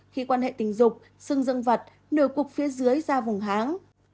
khi quan hệ tình dục sưng dân vật nửa cục phía dưới ra vùng háng